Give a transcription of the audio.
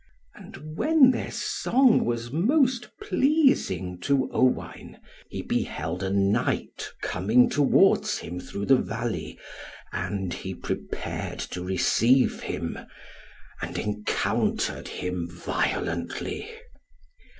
And when their song was most pleasing to Owain, he beheld a Knight coming towards him through the valley, and he prepared to receive him; and encountered him violently.